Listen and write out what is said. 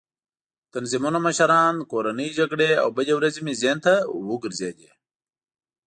د تنظیمونو مشران، کورنۍ جګړې او بدې ورځې مې ذهن کې وګرځېدې.